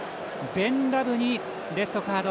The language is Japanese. ベン・ラムにレッドカード。